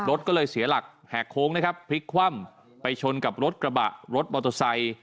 รถก็เลยเสียหลักแหกโค้งนะครับพลิกคว่ำไปชนกับรถกระบะรถมอเตอร์ไซค์